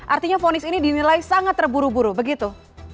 artinya fonis ini dinilai sangat terburu buru begitu